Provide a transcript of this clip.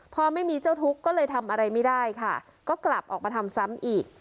พอไม่มีเจ้าทุกข์ก็เลยทำอะไรไม่ได้ค่ะก็กลับออกมาทำซ้ำอีก